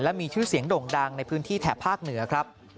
และมีชื่อเสียงด่งดังในพื้นที่แถบภาคเหนือครับ